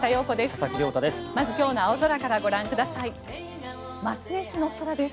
佐々木亮太です。